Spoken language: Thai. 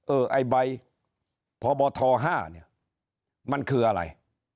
เออไอ้ใบพบ๕มันคืออะไร